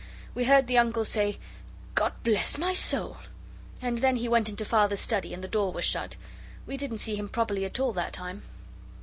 We heard the Uncle say, 'God bless my soul!' and then he went into Father's study and the door was shut we didn't see him properly at all that time.